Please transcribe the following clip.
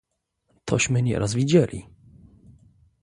"tośmy nieraz widzieli!"